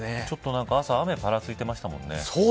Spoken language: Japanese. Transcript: ちょっと朝雨、ぱらついていましたものね。